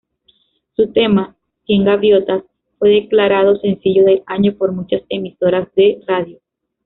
Su tema "Cien gaviotas" fue declarado sencillo del año por muchas emisoras de radio.